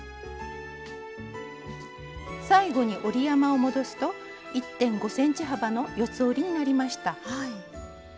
最後に折り山を戻すと１．５ｃｍ幅の四つ折りになりました。